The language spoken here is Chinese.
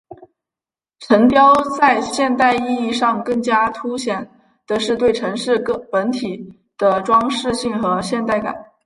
城雕在现代意义上更加凸显的是对于城市本体的装饰性和现代感。